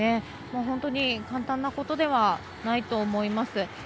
本当に簡単なことではないと思います。